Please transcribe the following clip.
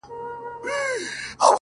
ارمانه اوس درنه ښكلا وړي څوك!